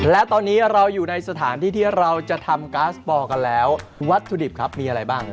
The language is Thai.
และตอนนี้เราอยู่ในสถานที่ที่เราจะทำก๊าซบอลกันแล้ววัตถุดิบครับมีอะไรบ้าง